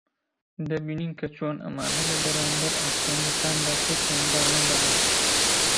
دەبینین کە چۆن ئەمانە لە بەرانبەر ئاستەنگەکاندا چۆکیان دانەداوە